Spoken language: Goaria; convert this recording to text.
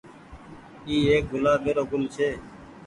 اي ايڪ گلآبي رو گل ڇي۔